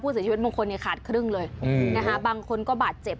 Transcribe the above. เสียชีวิตบางคนเนี่ยขาดครึ่งเลยนะคะบางคนก็บาดเจ็บ